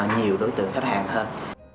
nhiều đối tượng khách hàng hơn